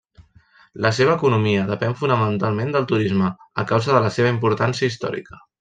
La seva economia depèn fonamentalment del turisme a causa de la seva importància històrica.